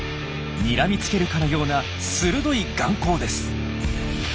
にらみつけるかのような鋭い眼光です。